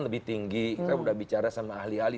lebih tinggi saya sudah bicara sama ahli ahli